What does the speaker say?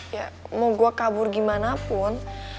ya mau gue kabur gimana pun